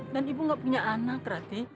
dan ibu gak punya anak rati